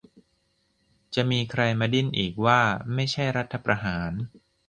จะมีใครมาดิ้นอีกว่าไม่ใช่รัฐประหาร